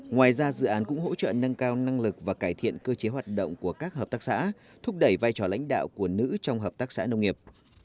ngoài ra dự án cũng hỗ trợ nâng cao năng lực và cải thiện cơ chế hoạt động của các hợp tác xã thúc đẩy vai trò lãnh đạo của nữ trong hợp tác xã nông nghiệp